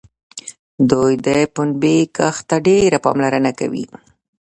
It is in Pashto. دوی د پنبې کښت ته ډېره پاملرنه کوي.